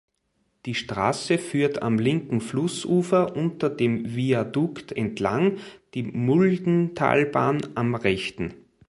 Die Straße führt am linken Flussufer unter dem Viadukt entlang, die Muldentalbahn am rechten.